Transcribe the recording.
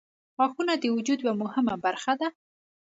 • غاښونه د وجود یوه مهمه برخه ده.